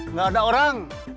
nggak ada orang